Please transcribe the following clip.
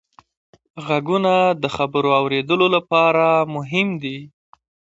غوږونه د خبرو اورېدلو لپاره مهم دي